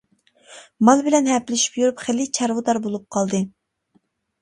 مال بىلەن ھەپىلىشىپ يۈرۈپ خېلى چارۋىدار بولۇپ قالدى.